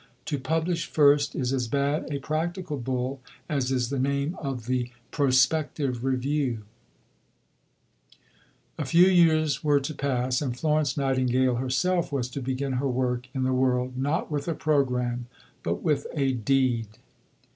To publish first is as bad a practical bull as is the name of the Prospective Review. A few years were to pass, and Florence Nightingale herself was to begin her work in the world not with a programme, but with a deed.